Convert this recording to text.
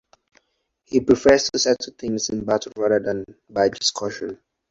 He prefers to settle things in battle, rather than by discussion.